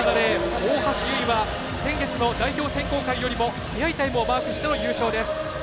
大橋悠依は先月の代表選考会よりも早いタイムをマークしての優勝です。